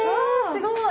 すごい。